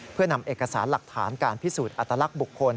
เพื่อนำเอกสารหลักฐานการพิสูจน์อัตลักษณ์บุคคล